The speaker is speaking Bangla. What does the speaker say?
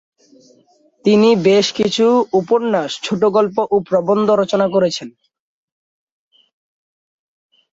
তিনি বেশ কিছু উপন্যাস, ছোটগল্প ও প্রবন্ধ রচনা করেছেন।